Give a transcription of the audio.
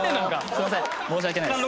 すいません申し訳ないです。